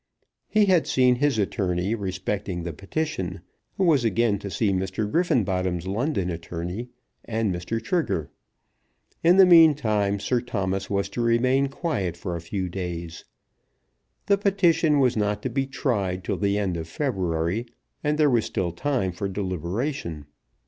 He had seen his attorney respecting the petition, who was again to see Mr. Griffenbottom's London attorney and Mr. Trigger. In the meantime Sir Thomas was to remain quiet for a few days. The petition was not to be tried till the end of February, and there was still time for deliberation.